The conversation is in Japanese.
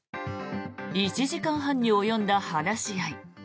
１時間半に及んだ話し合い。